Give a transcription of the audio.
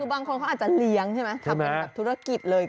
บางคนเขาอาจจะเลี้ยงใช่ไหมทำเป็นแบบธุรกิจเลย